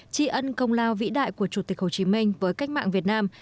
tri ân công lao vĩ đại của chủ tịch hồ chí minh với cách mạng việt nam